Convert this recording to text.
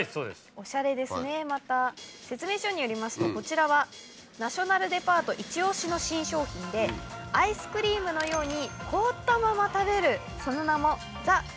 おしゃれですねまた説明書によりますとこちらはナショナルデパートイチオシの新商品でアイスクリームのように凍ったまま食べるその名も。